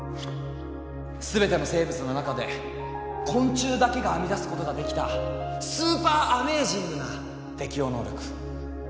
全ての生物の中で昆虫だけが編み出すことができたスーパーアメージングな適応能力。